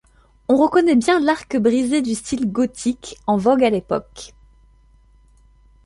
On reconnait bien l'arc brisé du style gothique, en vogue à l'époque.